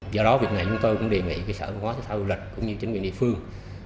do đó việc này chúng tôi cũng đề nghị sở văn hóa thể thao du lịch cũng như chính quyền địa phương